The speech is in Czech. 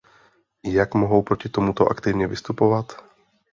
Jak mohou proti tomuto aktivně vystupovat?